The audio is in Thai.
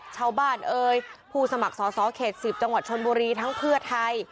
ชาวบ้านเอ่ยผู้สมัครสอสอเขต๑๐จังหวัดชนบุรีทั้งเพื่อไทย